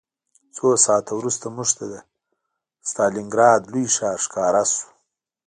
څو ساعته وروسته موږ ته د ستالینګراډ لوی ښار ښکاره شو